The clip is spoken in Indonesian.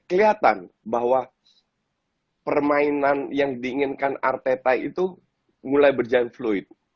kelihatan bahwa permainan yang diinginkan arteta itu mulai berjalan fluid